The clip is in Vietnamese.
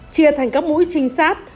chia thành các mũi trinh sát